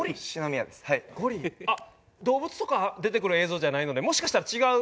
あっ動物とか出てくる映像じゃないのでもしかしたら違う。